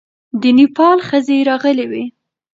د نېپال ښځې راغلې وې.